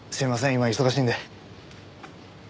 今忙しいんで。